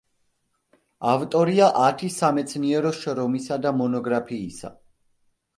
ავტორია ათი სამეცნიერო შრომისა და მონოგრაფიისა.